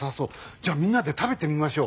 じゃあみんなで食べてみましょう。